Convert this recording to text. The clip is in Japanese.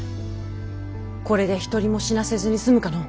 これで一人も死なせずに済むかの。